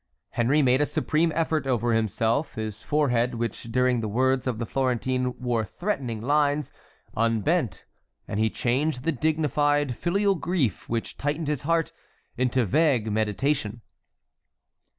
Henry made a supreme effort over himself; his forehead, which during the words of the Florentine wore threatening lines, unbent, and he changed the dignified, filial grief which tightened his heart into vague meditation.